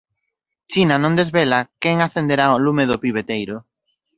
China non desvela quen acenderá o lume do piveteiro